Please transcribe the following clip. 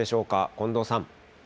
近藤さん。